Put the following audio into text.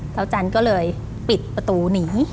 เท้าจันก็เลยปิดประตูหนี